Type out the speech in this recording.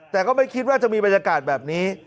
แต่ก็ไม่คิดว่าจะมีบรรยากาศแบบนี้